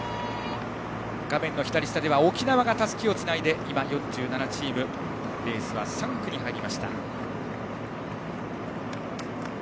画面左下沖縄がたすきをつないで４７チームレースは３区に入りました。